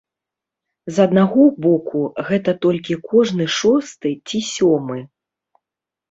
З аднаго боку, гэта толькі кожны шосты ці сёмы.